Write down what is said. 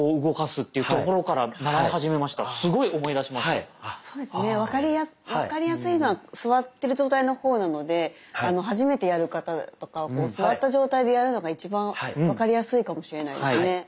そうですね分かりやすいのは座ってる状態の方なので初めてやる方とかは座った状態でやるのが一番分かりやすいかもしれないですね。